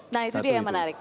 nah itu dia yang menarik